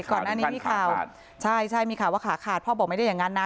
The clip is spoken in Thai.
ก่อนหน้านี้มีข่าวใช่ใช่มีข่าวว่าขาขาดพ่อบอกไม่ได้อย่างนั้นนะ